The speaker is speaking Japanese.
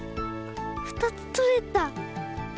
２つとれた！